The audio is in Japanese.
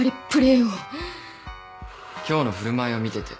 今日の振る舞いを見てて。